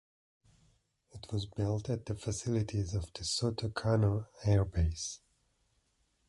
It was built at the facilities of the Soto Cano Air Base.